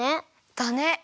だね。